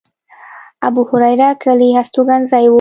د ابوهریره کلی هستوګنځی و.